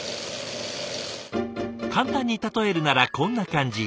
簡単に例えるならこんな感じ。